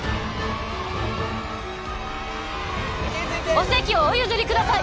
お席をお譲りください！